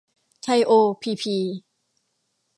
ไทย โอ พี พี